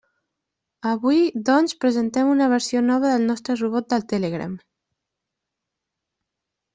Avui, doncs, presentem una versió nova del nostre robot del Telegram.